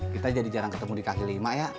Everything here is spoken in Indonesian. kita jadi jarang ketemu di kaki lima ya